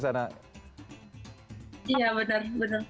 iya benar benar